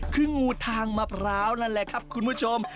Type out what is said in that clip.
คืองูทางมะพร้าวนั่นแหละครับคุณผู้ชม